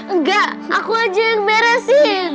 enggak aku aja yang beresin